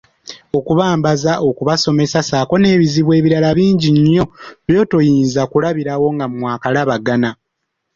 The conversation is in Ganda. Okubambaza, okubasomesa, ssaako n'ebizibu ebirala bingi by'otayinza kulabirawo nga mwakalabagana.